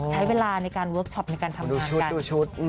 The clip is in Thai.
ใช้เวลาในการเวิร์คชอปในการทำชุดดูชุด